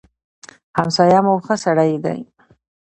همسايه مو ښه سړی دی.